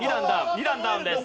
２段ダウンです。